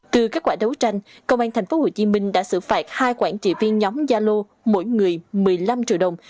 từ kết quả đấu tranh công an tp hcm đã xử phạt hai quản trị viên nhóm gia lô mỗi người một mươi năm triệu đồng